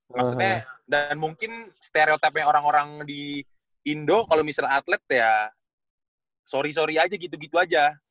maksudnya dan mungkin stereotype nya orang orang di indo kalau misalnya atlet ya sorry sorry aja gitu gitu aja